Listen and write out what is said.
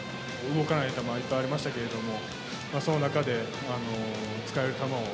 動かない球はいっぱいありましたけれども、その中で、使える球を